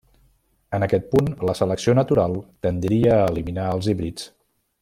En aquest punt, la selecció natural tendiria a eliminar els híbrids.